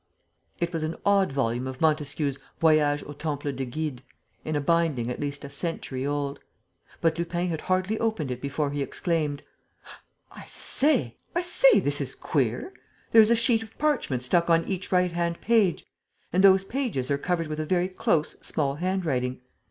It was an odd volume of Montesquieu's Voyage au temple de Guide, in a binding at least a century old. But Lupin had hardly opened it before he exclaimed: "I say, I say, this is queer! There is a sheet of parchment stuck on each right hand page; and those sheets are covered with a very close, small handwriting."